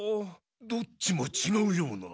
どっちもちがうような。